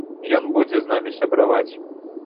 Ён будзе з намі сябраваць.